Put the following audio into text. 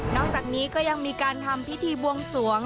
จากนี้ก็ยังมีการทำพิธีบวงสวง